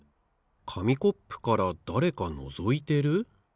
かみコップからだれかのぞいてる？